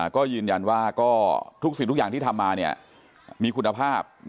ก็ยืนยันว่าก็ทุกสิ่งทุกอย่างที่ทำมามีคุณภาพ